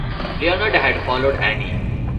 Leonard had followed Annie.